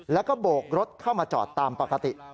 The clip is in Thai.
แล้วก็โบกรถเข้ามาจอดตามปกติ